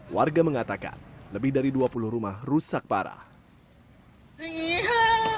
warga mengatakan lebih dari dua puluh rumah rusak parah